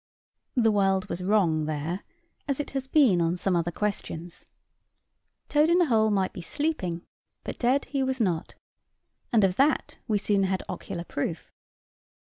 The world was wrong there, as it has been on some other questions. Toad in the hole might be sleeping, but dead he was not; and of that we soon had ocular proof.